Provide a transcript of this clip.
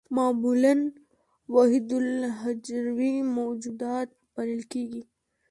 معمولاً وحیدالحجروي موجودات بلل کېږي.